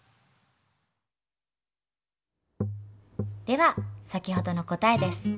では先ほどの答えです。